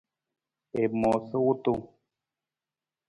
I moosa wutung.